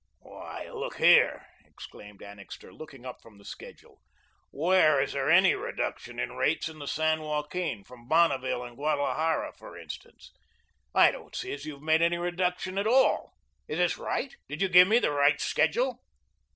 "Why, look here," exclaimed Annixter, looking up from the schedule, "where is there any reduction in rates in the San Joaquin from Bonneville and Guadalajara, for instance? I don't see as you've made any reduction at all. Is this right? Did you give me the right schedule?"